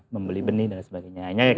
membeli benih dan sebagainya